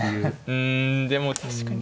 うんでも確かにと金。